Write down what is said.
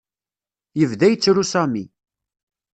Yebda yettru Sami.